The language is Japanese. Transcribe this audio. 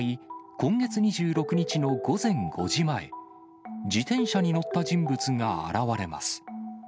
今月２６日の午前５時前、自転車に乗った人物が現れます。